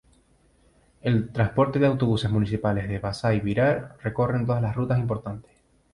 El transporte de autobuses municipales de Vasai-Virar recorren todas las rutas importantes.